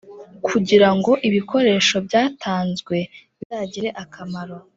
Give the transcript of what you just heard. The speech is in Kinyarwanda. kugira ngo ibikoresho byatanzwe bizagire akamaro.